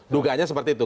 dugaannya seperti itu